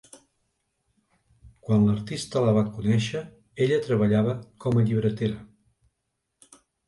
Quan l'artista la va conèixer, ella treballava com a llibretera.